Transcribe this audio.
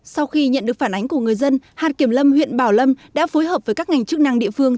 sau khi nhận được phản ánh của người dân hạt kiểm lâm huyện bảo lâm đã phối hợp với các ngành chức năng địa phương